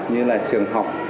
như là trường học